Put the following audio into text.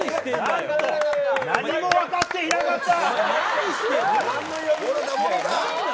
何と何も分かっていなかった！